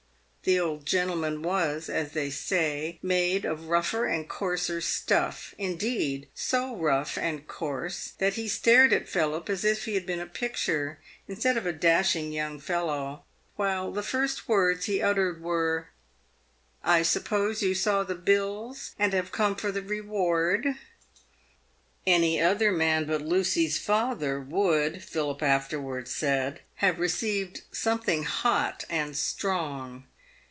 PAVED WITH GOLD. 369 The old gentleman was — as they say — made of rougher and coarser stuff ; indeed, so rough and coarse, that he stared at Philip as if he had been a picture instead of a dashing young fellow, while the first words he uttered were, " I suppose you saw the bills, and have come for the reward?" Any other man but Lucy's father would — Philip afterwards said — have received " something hot and strong."